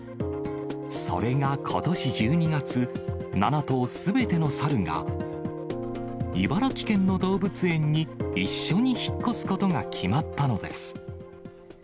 それがことし１２月、７頭すべてのサルが、茨城県の動物園に一緒に引っ越すことが決まったのです。